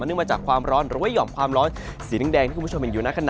มาจากความร้อนหรือว่าห่อมความร้อนสีแดงที่คุณผู้ชมเห็นอยู่ในขณะ